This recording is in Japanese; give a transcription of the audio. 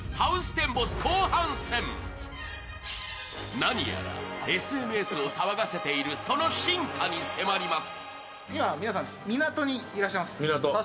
何やらＳＮＳを騒がしているその進化に迫ります。